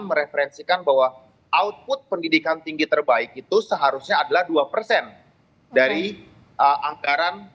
mereferensikan bahwa output pendidikan tinggi terbaik itu seharusnya adalah dua persen dari anggaran